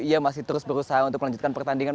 ia masih terus berusaha untuk melanjutkan pertandingan